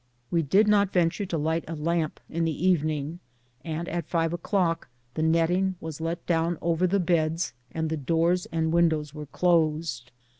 We did not venture to light a lamp in the evening, and at five o'clock tlie netting was let down over the beds, and doors and windows closed.